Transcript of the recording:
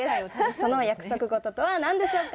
その約束事とは何でしょうか？